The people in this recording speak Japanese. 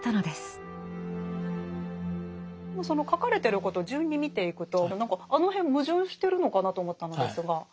でもその書かれてることを順に見ていくと何かあの辺矛盾してるのかなと思ったのですが。